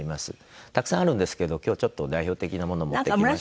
たくさんあるんですけど今日はちょっと代表的なもの持ってきました。